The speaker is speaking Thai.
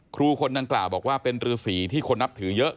ครูคนดังกล่าวบอกว่าเป็นรือสีที่คนนับถือเยอะ